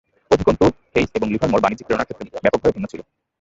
অধিকন্তু, হেইস এবং লিভারমোর বাণিজ্যিক প্রেরণার ক্ষেত্রে ব্যাপকভাবে ভিন্ন ছিল।